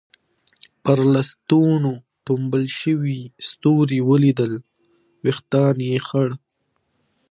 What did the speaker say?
پر لستوڼو ټومبل شوي ستوري ولیدل، وېښتان یې خړ.